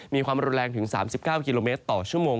มีความอบรุงแรงขึ้นถึงสามสิบเม็ดกิโลเมตรต่อชั่วโมง